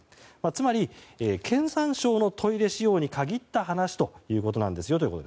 つまり、経産省のトイレ使用に限った話ということですね。